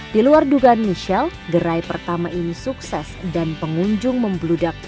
di luar dugaan michelle gerai pertama ini sukses dan pengunjung membludaknya